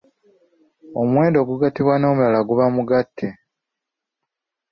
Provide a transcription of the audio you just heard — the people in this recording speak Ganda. Omuwendo ogugattibwa n'omulala guba mugattike.